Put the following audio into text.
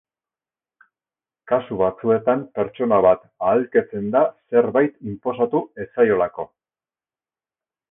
Kasu batzuetan pertsona bat ahalketzen da zerbait inposatu ez zaiolako.